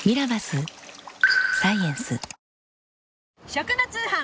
食の通販。